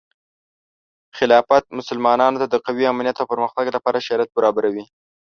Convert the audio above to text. خلافت مسلمانانو ته د قوي امنیت او پرمختګ لپاره شرایط برابروي.